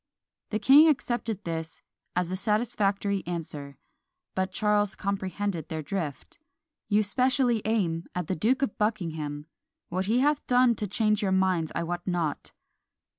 The king accepted this "as a satisfactory answer;" but Charles comprehended their drift "You specially aim at the Duke of Buckingham; what he hath done to change your minds I wot not."